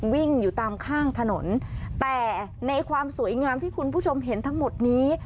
วิ่งอยู่ตามข้างถนนแต่ในความสวยงามที่คุณผู้ชมเห็นทั้งหมดนี้